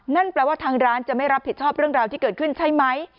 นั่นแปลว่าทางร้านจะไม่รับผิดชอบเรื่องราวที่เกิดขึ้นใช่ไหม